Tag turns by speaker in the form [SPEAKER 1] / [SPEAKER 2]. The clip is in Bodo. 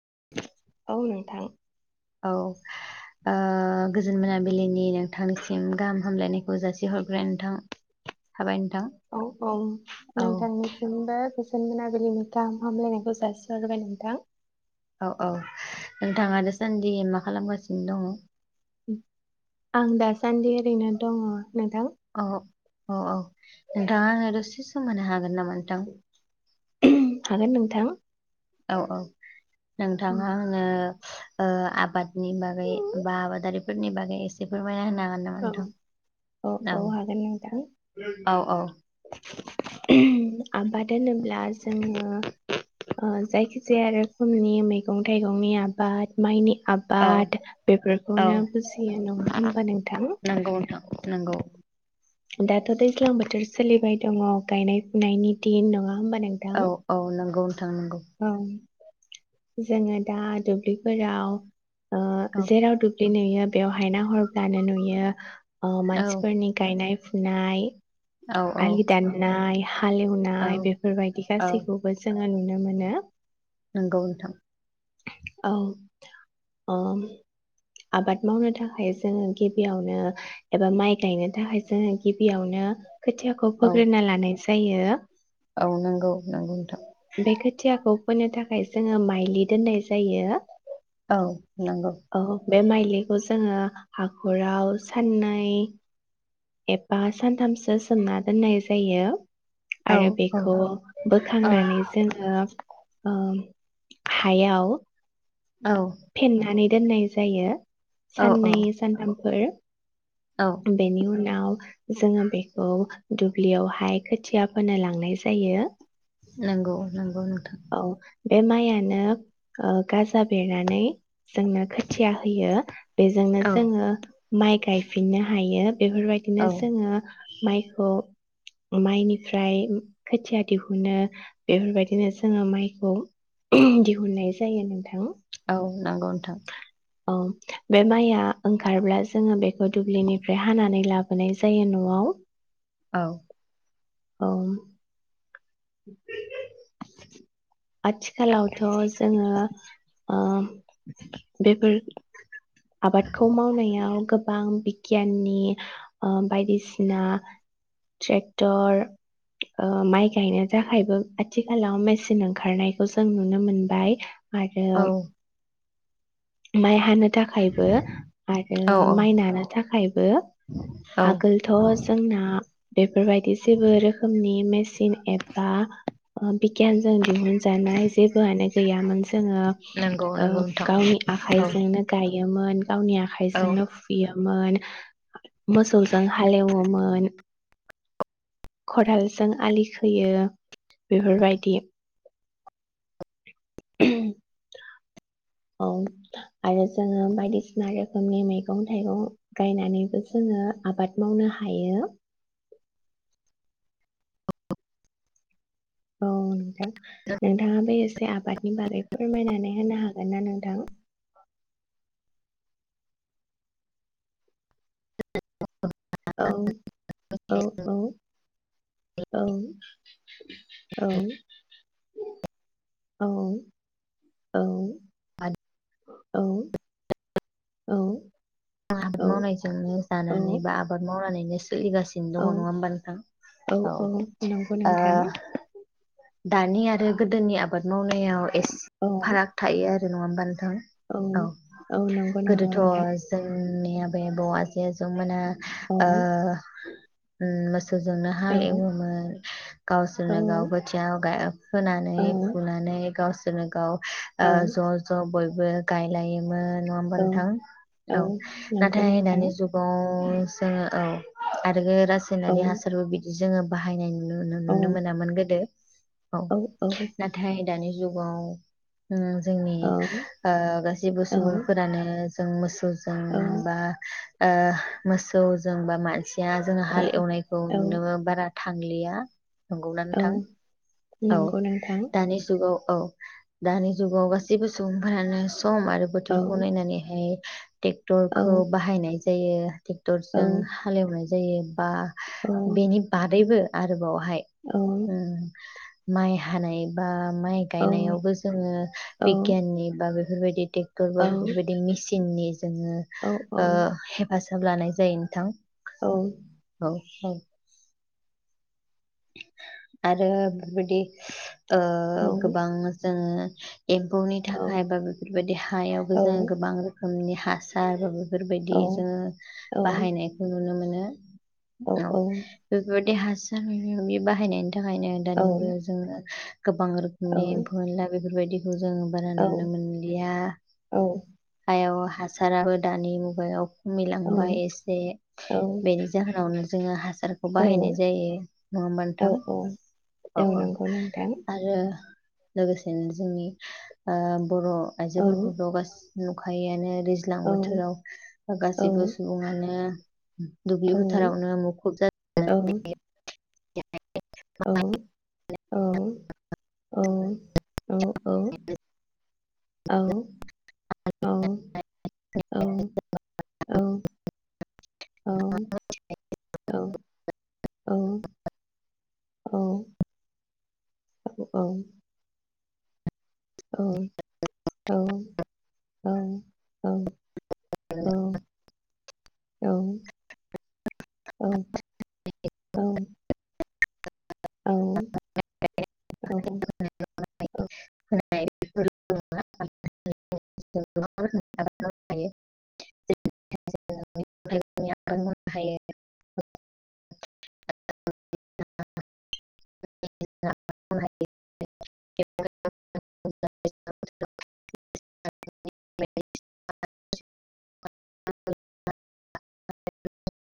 [SPEAKER 1] [inaudible]
[SPEAKER 2] औ नोंथां
[SPEAKER 1] औ गोजोन मोनाबिलिनि नोंथांनिसिम गाहाम हामलायनायखौ जासिहरग्रोनायनों थाबाय नोंथां
[SPEAKER 2] औ औ
[SPEAKER 1] औ
[SPEAKER 2] नोंथांनिसिमबो गोजोन मोनाबिलिनि गाहाम हामलायनायखौ जासिहरबाय नोंथां
[SPEAKER 1] औ औ नोंथाङा दासान्दि मा खालामगासिनो दङ
[SPEAKER 2] आं दासान्दि ओरैनो दङ नोंथां
[SPEAKER 1] औ औ औ नों दां आङो दसे सम होनो हागोन नामा नोंथां
[SPEAKER 2] हागोन नोंथां
[SPEAKER 1] औ औ नोंथाङा आंनो आबादनि बागै बा आबादारिफोरनि बागै एसे फोरमायना होनो
[SPEAKER 2] औ
[SPEAKER 1] हागोन हागोन
[SPEAKER 2] औ औ
[SPEAKER 1] नामा
[SPEAKER 2] हागोन
[SPEAKER 1] नोंथां औ औ औ
[SPEAKER 2] आबाद होनोब्ला होनोब्ला जोङो जायखिजाया रोखोमनि मैगं थाइगंनि आबाद माइनि
[SPEAKER 1] औ
[SPEAKER 2] आबाद
[SPEAKER 1] औ
[SPEAKER 2] बेफोरखौनो बुजियो नङा होमबा नोंथां
[SPEAKER 1] नंगौ नोंथां नंगौ
[SPEAKER 2] दाथ' दैज्लां बोथोर सोलिबाय दङ गायनाय फुनायनि दिन नङा होमबा नोंथां
[SPEAKER 1] औ औ नंगौ नोंथां नंगौ
[SPEAKER 2] औ जोङो दा दुब्लिफोराव ओ
[SPEAKER 1] औ
[SPEAKER 2] जेराव दुब्लि नुयो बेयाव नायहबानो नुयो
[SPEAKER 1] औ
[SPEAKER 2] मानसिफोरनि गायनाय फुनाय
[SPEAKER 1] औ औ
[SPEAKER 2] आलि दाननाय
[SPEAKER 1] औ
[SPEAKER 2] हालेवनाय बेफोरबायदि
[SPEAKER 1] औ
[SPEAKER 2] गासैखौबो जों नुनो मानो
[SPEAKER 1] नंगौ नोंथां
[SPEAKER 2] औ ओ आबाद मावनो थाखाय जोङो गिबियावनो एबा माइ गायनो थाखाय जोङो गिबियावनो खोथियाखौ
[SPEAKER 1] औ
[SPEAKER 2] फोग्रोना लानाय जायो।
[SPEAKER 1] औ नंगौ नंगौ नोंथां
[SPEAKER 2] बे खोथियाखौ फोनो थाखाय जोङो माइलि दोननाय जायो।
[SPEAKER 1] औ नंगौ
[SPEAKER 2] औ बे माइलिखौ जोङो हाखराव साननै [inaudible] एबा सानथामसो सोमना दोननाय जायो।
[SPEAKER 1] औ
[SPEAKER 2] आरो
[SPEAKER 1] औ
[SPEAKER 2] बेखौ
[SPEAKER 1] औ
[SPEAKER 2] बोखांनानै जोङो ओ हायाव
[SPEAKER 1] औ
[SPEAKER 2] फेरनानै दोननाय जायो।
[SPEAKER 1] औ औ
[SPEAKER 2] साननै सानथाम बो
[SPEAKER 1] औ
[SPEAKER 2] बेनि उन नाव जोङो बेखौ दुब्लियावहाय खोथिया फोनो लांनाय जायो।
[SPEAKER 1] नंगौ नंगौ नोंथां
[SPEAKER 2] औ बे माइआनो ओ गाजा बेरनानै जोंनो खोथिया होयो बेजोंनो
[SPEAKER 1] औ
[SPEAKER 2] जोङो माइ गायफिननो हायो। बेफोरबायदिनो
[SPEAKER 1] औ
[SPEAKER 2] जोङो माइखौ माइनिफ्राय खोथिया दिहुनो बेफोरबायदिनो। जोङो माइखौ दिहुननाय जायो नोंथां।
[SPEAKER 1] औ नंगौ नोथां
[SPEAKER 2] औ बे माइआ ओंखारब्ला जोङो बेखौ दुब्लिनिफ्राय हानानै लाबोनाय जायो न'आव।
[SPEAKER 1] औ
[SPEAKER 2] औ
[SPEAKER 1] [inaudible]
[SPEAKER 2] आथिखालावथ' जोङो ओ- बेफोर आबादखौ मावनायाव गोबां गियाननि ओ- बायदिसिना ट्रेक्टर ओ-माइ गायनो थाखायबो आथिखालाव मेसिन ओंखारनायखौ जों नुनो मोनबाय। आरो
[SPEAKER 1] औ
[SPEAKER 2] माइ हानो थाखायबो आरो
[SPEAKER 1] औ औ
[SPEAKER 2] माइ नानो थाखायबो
[SPEAKER 1] औ
[SPEAKER 2] आगोलथ' जोंना बे बेफोरबायदि जेबो रोखोमनि मेसिन एबाओ- बिगियानजों दिहुनजानाय जेबोआनो गैयामोन जोङो
[SPEAKER 1] नंगौ नंगौ नोंथां
[SPEAKER 2] ओ-गावनि
[SPEAKER 1] औ
[SPEAKER 2] आखाइजोंनो योमोन। गावनि आखाइजोंनो फुयो मोन। मोसौजों हालएवो मोन खदालजों आलि खोयो बेफोरबायदि। औ आरो जोङो बायदिसिना रोखोमनि मैगं थाइगं गायनानैबो जोङो आबाद मावनो हायो। औ नोंथां नोंथाङा बे एसे आबादनि बागै फोरमायनानै होनो हागोन ना नोंथां? औ औ औ औ औ औ औ औ औ
[SPEAKER 1] आबाद मावनायजोंनो जानानै बा आबाद मावनानै सोलिगासिनो
[SPEAKER 2] औ
[SPEAKER 1] दङ नङा होमबा नोंथां औ ओ- दानि आरो गोदोनि आबाद मावनायाव एसे
[SPEAKER 2] औ
[SPEAKER 1] फाराग थायो आरो [unintelligible]
[SPEAKER 2] औ औ नंगौ नंगौ नोंथां।
[SPEAKER 1] ओम मोननि आबै आबौ आजै आजौ मोना
[SPEAKER 2] औ
[SPEAKER 1] ओ- उम मो सौजोंनो
[SPEAKER 2] औ
[SPEAKER 1] हालेवोमोन
[SPEAKER 2] औ
[SPEAKER 1] गावसोरनो गाव खोथियाव गाय फोनानै फुनानै गावसोर नो गाव
[SPEAKER 2] औ
[SPEAKER 1] ओ ज' ज' बय बो गायलायोमोन। नंङा होनबा नोंथां? औ
[SPEAKER 2] नंगौ
[SPEAKER 1] नाथाय
[SPEAKER 2] नोंथां
[SPEAKER 1] दानि जुगाव ओ जोङो औ आ रो
[SPEAKER 2] औ
[SPEAKER 1] रासायनारि हासारबो बिदि जोङो बाहायनाय नु
[SPEAKER 2] औ
[SPEAKER 1] नुनो मोनामोन गोदो। औ नाथाय दानि जुगाव उम जोंनि
[SPEAKER 2] औ
[SPEAKER 1] ओ गासैबो सुबुं
[SPEAKER 2] औ
[SPEAKER 1] फोरानो जों मोसौ जों
[SPEAKER 2] औ
[SPEAKER 1] बा ओ मोसौ जोंबा मानसि दा जों हालि एवनायखौ
[SPEAKER 2] औ
[SPEAKER 1] नुनो बारा थांलिया। नंगौना
[SPEAKER 2] औ
[SPEAKER 1] नोंथां।
[SPEAKER 2] नंगौ नोंथां।
[SPEAKER 1] दानि औ औ दानि जुगाव गासैबो सुबुं फ्रानो सम आरो
[SPEAKER 2] औ
[SPEAKER 1] बोथोरखौ नायनानै हाय ट्रेक्टरखौ
[SPEAKER 2] नंगौ
[SPEAKER 1] बाहायनाय जायो थिग टेक्टरजों
[SPEAKER 2] नोंथां
[SPEAKER 1] हालेवनाय जायो। बा
[SPEAKER 2] औ
[SPEAKER 1] बेनि बादैबो आरोबाव हाय उम। माइ हानाय बा माइ
[SPEAKER 2] औ
[SPEAKER 1] गायनायावबो जोङो बिगियाननि बागै बेफोरबायदि। ट्रेक्टर
[SPEAKER 2] औ
[SPEAKER 1] बा बेफोरबायदि मेसिननि जोङो
[SPEAKER 2] औ
[SPEAKER 1] ओ हेफाजाब हिसाब लानाय जायो नोंथां।
[SPEAKER 2] औ।
[SPEAKER 1] औ। आरो बेफोरबायदि ओ
[SPEAKER 2] औ
[SPEAKER 1] गोबां जोङो [unintelligible] एम्फौनि
[SPEAKER 2] औ
[SPEAKER 1] थाखाय बा बेफोरबायदि हायावबो
[SPEAKER 2] औ
[SPEAKER 1] जोङो गोबां रोखोम नि हासार बेफोरबायदि जोङो बाहायनायखौ नुनो मोनो। द [unintelligible] औ बेफोरबायदि देहा [unintelligible] [unintelligible] बाहनायनि थाखायनो दानि मुगायाव जोङो गोबां रोखोमनि एम्फौ एनला बे फोरबायदिखौ जों बारा नुनो मोनलिया। हायाव हासाराबो दानि मुगायाव खमिलांबाय एसे बेनि जाहोनावनो जोङो हासा रखौ बाहायनाय जायो। होमबा
[SPEAKER 2] औ
[SPEAKER 1] नोंथां
[SPEAKER 2] औ औ नंगौ नोंथां
[SPEAKER 1] आरो लोगोसेनो जोंनि ओ बर' आइजोफोरखौथ' गास नुखायोआनो दैज्लां बोथोराव गासैबो सुबुङानो दुब्लि फोथारावनो मुखुब जानानै [unintelligible]
[SPEAKER 2] औ औ औ औ औ औ। औ औ औ। औ औ औ। औ। औ औ। औ औ औ औ। औ। औ। औ औ। औ औ।
[SPEAKER 1] [unintelligible] [unintelligible] [unintelligible]